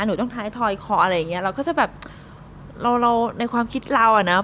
หนูต้องท้ายถอยคออะไรอย่างเงี้ยเราก็จะแบบเราเราในความคิดเราอ่ะเนอะ